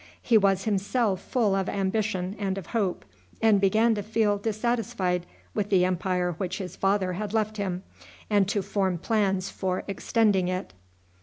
He was himself full of ambition and of hope, and began to feel dissatisfied with the empire which his father had left him, and to form plans for extending it.